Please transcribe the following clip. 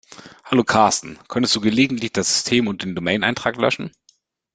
Hallo Carsten, könntest du gelegentlich das System und den Domain-Eintrag löschen?